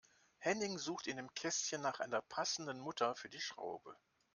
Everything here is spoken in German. Henning sucht in dem Kästchen nach einer passenden Mutter für die Schraube.